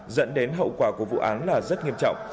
dẫn đến hậu quả của vụ án là rất nghiêm trọng